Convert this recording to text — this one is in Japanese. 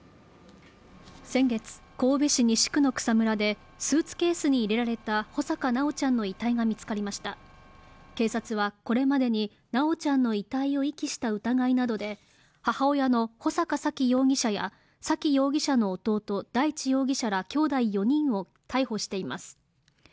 先月、神戸市西区の草むらでスーツケースに入れられた穂坂修ちゃんの遺体が見つかりました警察はこれまでに修ちゃんの遺体を遺棄した疑いなどで母親の穂坂沙喜容疑者や沙喜容疑者の弟大地容疑者らきょうだい４人を逮捕しています。